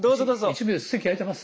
１名です。